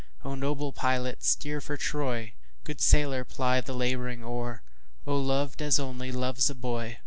O noble pilot steer for Troy, Good sailor ply the labouring oar,O loved as only loves a boy!